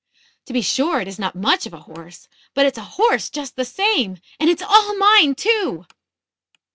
To be sure, it is not much of a horse; but it's a horse just the same. And it's all mine, too."